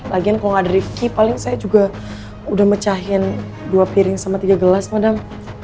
lagian kalau nggak ada rifki paling saya juga udah mecahin dua piring sama tiga gelas kadang